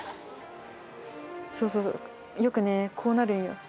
そうそうそう、よくね、こうなるんよ。